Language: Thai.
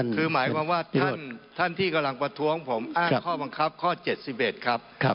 คือหมายความว่าท่านที่กำลังประท้วงผมอ้านข้อบังคับข้อเจ็ดสิบเอ็ดครับครับ